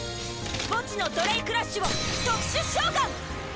墓地のドレイクラッシュを特殊召喚！